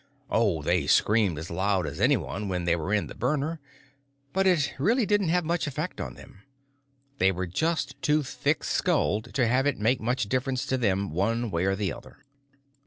Oh, they screamed as loud as anyone when they were in the burner, but it really didn't have much effect on them. They were just too thick skulled to have it make much difference to them one way or the other.